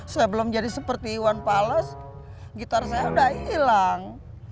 saya belum jadi seperti iwan pales gitar saya udah hilang